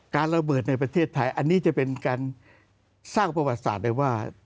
ระเบิดในประเทศไทยอันนี้จะเป็นการสร้างประวัติศาสตร์เลยว่า